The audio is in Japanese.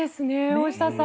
大下さん。